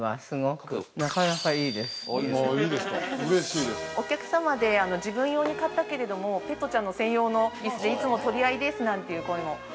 ◆お客様で、自分用に買ったけれどもペットちゃんの専用の椅子で、いつも取り合いですという声も。